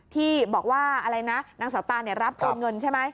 ที่บอกว่าอะไรนะนางเสาตานรับโอนเงินใช่ไหม